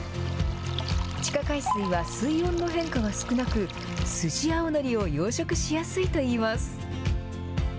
地下海水は水温の変化が少なく、スジアオノリを養殖しやすいといいます。